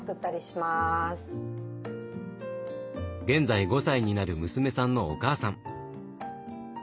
現在５歳になる娘さんのお母さん。